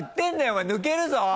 お前抜けるぞ！